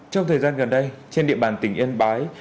trong thời gian gần đây trên địa bàn tỉnh yên bái